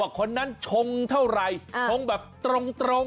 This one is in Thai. คนนั้นชงเท่าไหร่ชงแบบตรง